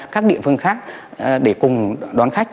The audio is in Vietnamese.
các địa phương khác để cùng đón khách